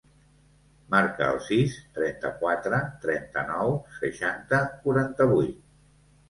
Marca el sis, trenta-quatre, trenta-nou, seixanta, quaranta-vuit.